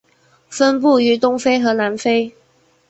分布于东非和南非。